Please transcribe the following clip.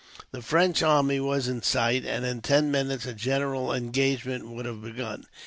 The French army was in sight, and in ten minutes a general engagement would have begun.